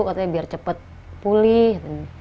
katanya biar cepet pulih